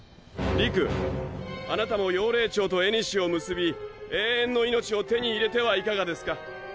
理玖あなたも妖霊蝶と縁を結び永遠の命を手に入れてはいかがですか？